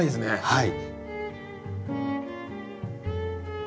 はい。